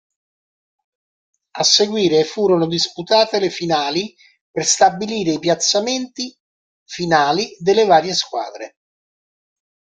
A seguire furono disputati le finali per stabilire i piazzamenti finali delle varie squadre.